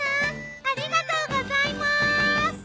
ありがとうございます。